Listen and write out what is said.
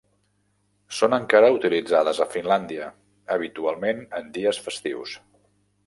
Són encara utilitzades a Finlàndia, habitualment en dies festius.